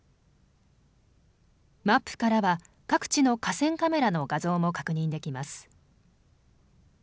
マップからは各地の河川カメラの画像も確認できます。